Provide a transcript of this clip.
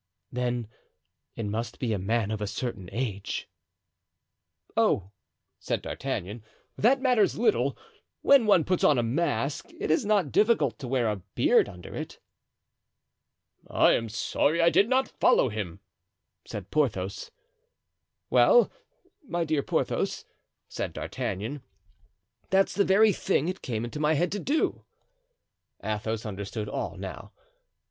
"Then it must be a man of a certain age." "Oh!" said D'Artagnan, "that matters little. When one puts on a mask, it is not difficult to wear a beard under it." "I am sorry I did not follow him," said Porthos. "Well, my dear Porthos," said D'Artagnan, "that's the very thing it came into my head to do." Athos understood all now.